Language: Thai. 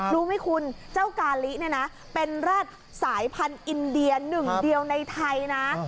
รู้ไหมคุณเจ้ากาลิเนี่ยนะเป็นแร็ดสายพันธุ์อินเดียหนึ่งเดียวในไทยนะ